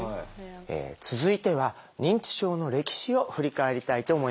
続いては認知症の歴史を振り返りたいと思います。